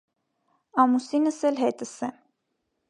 ամուսինս էլ հետս է…